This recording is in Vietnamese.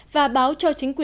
và báo cho chính quyền